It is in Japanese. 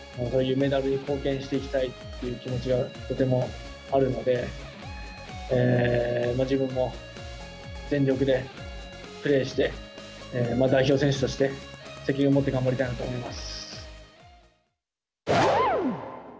メダルに貢献していきたいっていう気持ちがとてもあるので、自分も全力でプレーして、代表選手として責任を持って頑張りたいなと思います。